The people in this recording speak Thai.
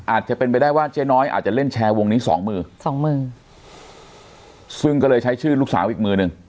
อาจจะเป็นไปได้ว่าเจ๊น้อยอาจจะเล่นแชร์วงนี้สองมือสองมือซึ่งก็เลยใช้ชื่อลูกสาวอีกมือหนึ่ง